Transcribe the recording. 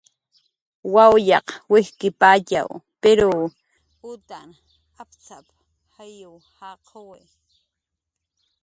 "Wawyaq wijtxkipatxaw puriw utan aptz'ap"" jayw jaquwi"